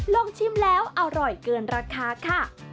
ชิมแล้วอร่อยเกินราคาค่ะ